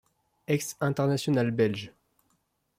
Ex-international belge.